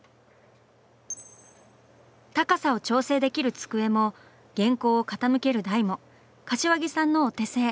高さを調整できる机も原稿を傾ける台も柏木さんのお手製。